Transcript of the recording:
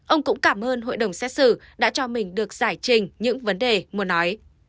ông cũng cảm ơn hội đồng xét xử đã cho mình được giải trình những vấn đề muốn nói